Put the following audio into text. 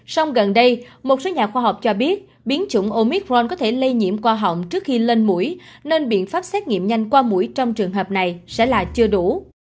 sông gần đây một số nhà khoa học cho biết biến chủng omicron có thể lây nhiễm qua họ hỏng trước khi lên mũi nên biện pháp xét nghiệm nhanh qua mũi trong trường hợp này sẽ là chưa đủ